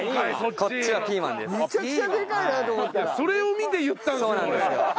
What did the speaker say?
それを見て言ったんですよ俺。